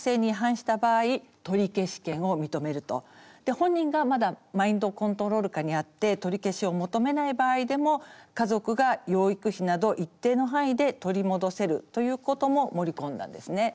本人がまだマインドコントロール下にあって取り消しを求めない場合でも家族が養育費など一定の範囲で取り戻せるということも盛り込んだんですね。